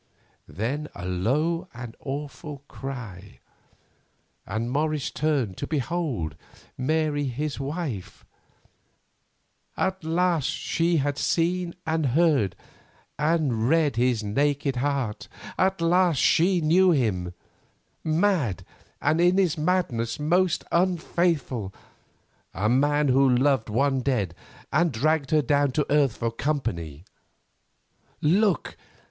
Then a low and awful cry, and Morris turned to behold Mary his wife. At last she had seen and heard, and read his naked heart. At last she knew him—mad, and in his madness, most unfaithful—a man who loved one dead and dragged her down to earth for company. Look!